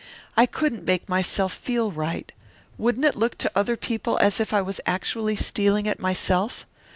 I couldn't make myself feel right. Wouldn't it look to other people as if I was actually stealing it myself?